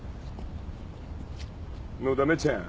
のだめちゃん。